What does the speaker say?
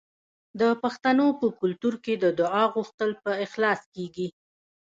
د پښتنو په کلتور کې د دعا غوښتل په اخلاص کیږي.